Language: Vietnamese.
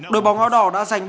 đội bóng áo đỏ đã giải thích